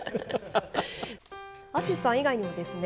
淳さん以外にもですね